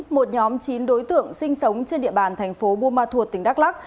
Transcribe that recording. một nhóm chín đối tượng sinh sống trên địa bàn thành phố buôn ma thuột tỉnh đắk lắc